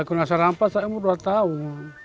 kena serampat umur dua tahun